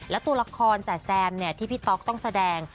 และตัวละครจ๋าแซมที่พี่ต๊อกต้องแสดง